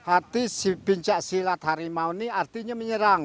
artinya pencak silat harimau ini artinya menyerang